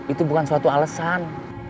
itu bukan suatu alasan